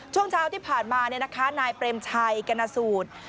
ช่วงเช้าที่ผ่านมานายเปรมชัยกรณสูตร